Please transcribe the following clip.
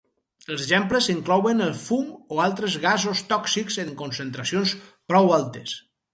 Els exemples inclouen el fum o altres gasos tòxics en concentracions prou altes.